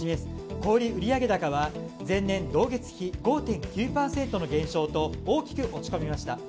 小売売上高は前年同月比５．９％の減少と大きく落ち込みました。